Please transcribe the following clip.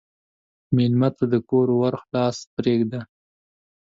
مېلمه ته د کور ور خلاص پرېږده.